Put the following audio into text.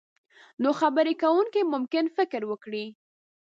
نو خبرې کوونکی ممکن فکر وکړي.